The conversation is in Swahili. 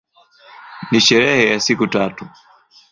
Ni sherehe ya siku tatu.